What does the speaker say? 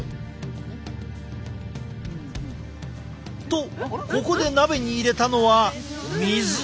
とここで鍋に入れたのは水。